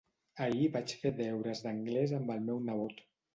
Ahir vaig fer deures d'anglès amb el meu nebot.